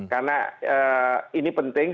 karena ini penting